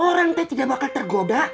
orang teh tidak bakal tergoda